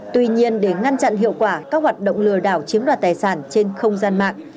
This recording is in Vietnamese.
tuy nhiên để ngăn chặn hiệu quả các hoạt động lừa đảo chiếm đoạt tài sản trên không gian mạng